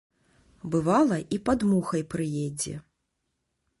Бывала, і пад мухай прыедзе.